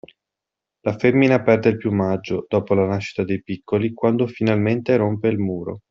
La femmina perde il piumaggio, dopo la nascita dei piccoli, quando finalmente rompe il muro.